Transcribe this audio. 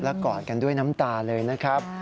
กอดกันด้วยน้ำตาเลยนะครับ